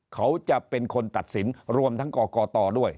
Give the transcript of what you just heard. เขาจะเป็นคนตัดสินรวมทั้งกกตด้วย